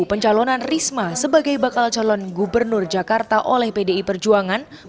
pencalonan risma sebagai bakal calon gubernur jakarta oleh pdi perjuangan